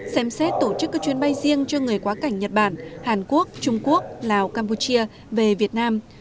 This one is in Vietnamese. xem xét tổ chức các chuyến bay riêng cho người quá cảnh nhật bản hàn quốc trung quốc lào campuchia về việt nam